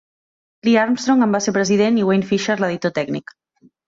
Lee Armstrong en va ser el president i Wayne Fisher l'editor tècnic.